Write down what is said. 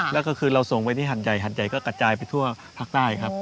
แล้วก็คือเราส่งไปที่หัดใหญ่หันใหญ่ก็กระจายไปทั่วภาคใต้ครับ